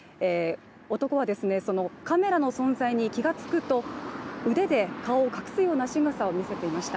男はカメラの存在に気が付くと腕で顔を隠すようなしぐさを見せていました。